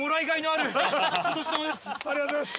ありがとうございます。